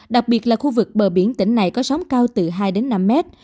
đặc biệt là khu vực bờ biển tỉnh này có sóng cao từ hai đến năm mét